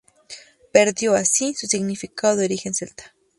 Perdió, así, su significado de origen celta.